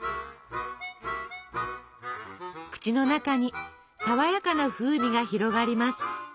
口の中に爽やかな風味が広がります。